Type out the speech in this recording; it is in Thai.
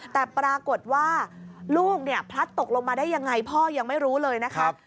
แต่ปรากฏว่าลูกเนี่ยพลัดตกลงมาได้ยังไงพ่อยังไม่รู้เลยนะครับ